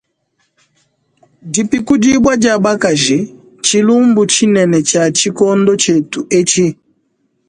Dipikudibua dia bakaji ntshilumbu tshinene tshia tshikondo tshietu etshi.